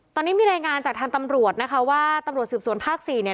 ตอนนี้มีรายงานจากทางตำรวจนะคะว่าตำรวจสืบสวนภาคสี่เนี่ย